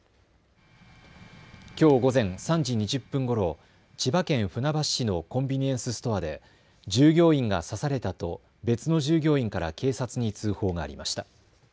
きょう午前３時２０分ごろ、千葉県船橋市のコンビニエンスストアで従業員が刺されたと別の従業員から警察に通報がありました。